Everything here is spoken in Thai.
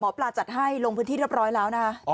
ปลาจัดให้ลงพื้นที่เรียบร้อยแล้วนะคะ